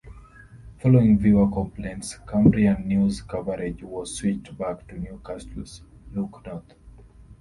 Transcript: Following viewer complaints, Cumbrian news coverage was switched back to Newcastle's "Look North".